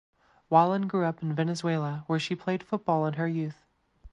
Wallen grew up in Venezuela where she played football in her youth.